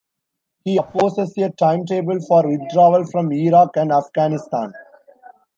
He opposes a time table for withdrawal from Iraq and Afghanistan.